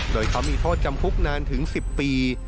โดยเขามีโทษจำคุกนานถึง๑๐ปี